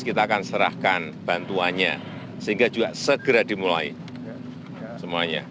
kita akan serahkan bantuannya sehingga juga segera dimulai semuanya